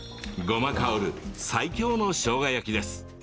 ごま香る最強のしょうが焼きです。